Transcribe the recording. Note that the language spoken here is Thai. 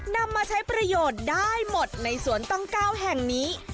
นำมาใช้ประโยชน์ได้หมดในสวนตั้ง๙แห่งนี้